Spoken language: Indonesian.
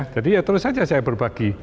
jadi ya terus saja saya berbagi